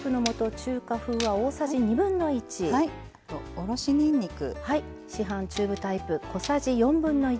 おろしにんにく。